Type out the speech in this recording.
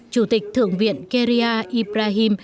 chủ tịch thượng viện keria ibrahim